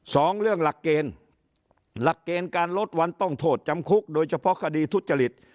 สองเรื่องหลักเกณฑ์หลักเกณฑ์การลดวันต้องโทษจำคุกโดยเฉพาะคดีทุจริต